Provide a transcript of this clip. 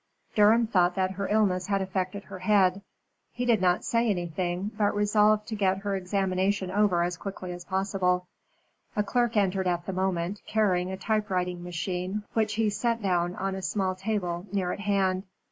'" Durham thought that her illness had affected her head. He did not say anything, but resolved to get her examination over as quickly as possible. A clerk entered at the moment, carrying a typewriting machine, which he set down on a small table near at hand.